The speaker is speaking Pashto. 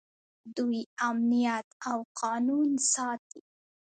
دوی امنیت او قانون ساتي.